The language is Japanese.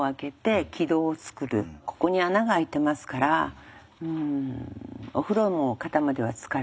ここに穴が開いてますからお風呂も肩まではつかれません。